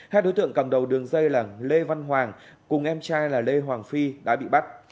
hai đối tượng cầm đầu đường dây là lê văn hoàng cùng em trai là lê hoàng phi đã bị bắt